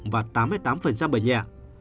và tám mươi tám bệnh nhẹ